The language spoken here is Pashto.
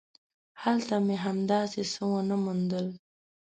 هلته مې هم داسې څه ونه موندل.